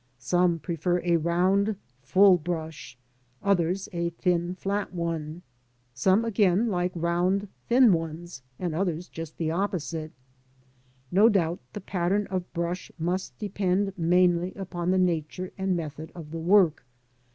Some prefer a round full brush, others a thin flat one ; some again like round thin ones, and others just the opposite. No doubt the pattern of brush must depend mainly upon the nature and method of the work.